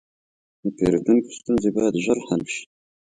د پیرودونکو ستونزې باید ژر حل شي.